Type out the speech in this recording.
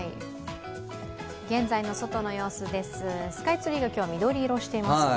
現在の外の様子です、スカイツリーが今日、緑色していますね。